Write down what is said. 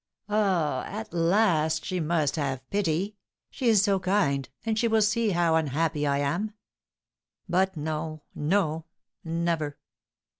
Ah, at last she must have pity; she is so kind, and she will see how unhappy I am! But no, no! Never!